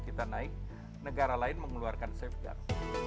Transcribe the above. kita naik negara lain mengeluarkan safeguard